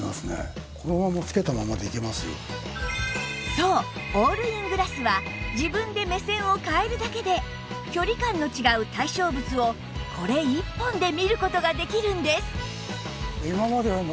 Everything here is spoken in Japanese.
そうオールイングラスは自分で目線を変えるだけで距離感の違う対象物をこれ１本で見る事ができるんです